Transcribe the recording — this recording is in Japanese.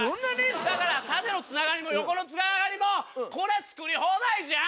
だから縦のつながりも横のつながりもこれ作り放題じゃん！